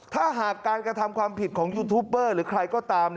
ถ้าหากการกระทำความผิดของยูทูปเบอร์หรือใครก็ตาม